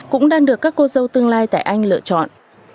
cũng đang được các cô dâu tương lai tại anh lựa chọn